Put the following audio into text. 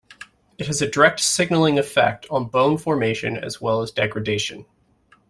It has a direct signalling effect on bone formation as well as degradation.